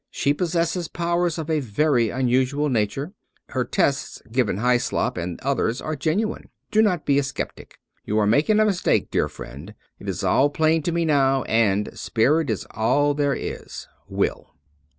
She possesses powers of a very unusual nature. Her tests given Hyslop and others are genuine. Do not be a skeptic. You are making a mistake, dear friend. It is all plain to me now, and spirit IS all there is. — Will.'